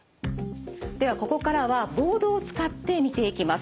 ではここからはボードを使って見ていきます。